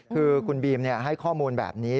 คือคุณบีมให้ข้อมูลแบบนี้